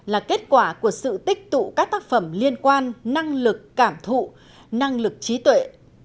là kết quả của sự tích tụ các tác phẩm liên quan năng lực cảm thụ năng lực trí tuệ